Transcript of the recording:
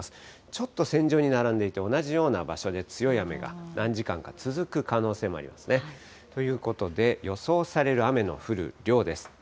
ちょっと線上に並んでいて、同じような場所で強い雨が何時間か続く可能性もありますね。ということで、予想される雨の降る量です。